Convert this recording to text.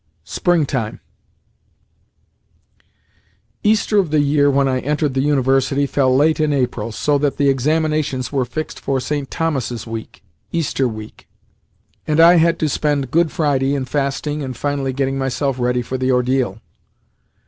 SPRINGTIME Easter of the year when I entered the University fell late in April, so that the examinations were fixed for St. Thomas's Week, [Easter week.] and I had to spend Good Friday in fasting and finally getting myself ready for the ordeal.